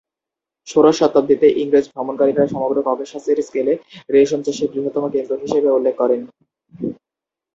ষোড়শ শতাব্দীতে ইংরেজ ভ্রমণকারীরা সমগ্র ককেশাসের স্কেলে রেশম চাষের বৃহত্তম কেন্দ্র হিসেবে উল্লেখ করেন।